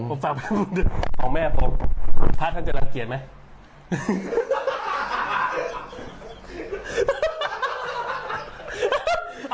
ผมฝากไปทำบุญด้วยของแม่ผมพระท่านจะรังเกียจไหม